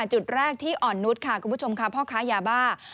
จุดแรกที่อ่อนนุษย์ค่ะคุณผู้ชมค่ะพ่อค้ายาบ้า